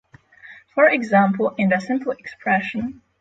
For example, in the simple expression